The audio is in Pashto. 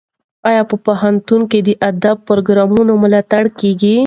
ایا په پوهنتون کې د ادبي پروګرامونو ملاتړ کیږي؟